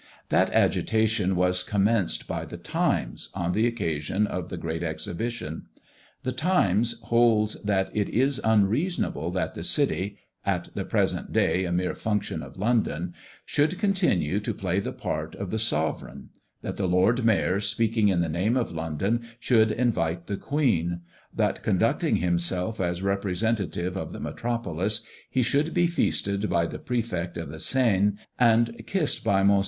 That agitation was commenced by "The Times," on the occasion of the great exhibition. "The Times" holds that it is unreasonable that the city at the present day a mere function of London should continue to play the part of the sovereign; that the Lord Mayor speaking in the name of London, should invite the Queen; that, conducting himself as representative of the metropolis, he should be feasted by the Prefect of the Seine, and kissed by Mons.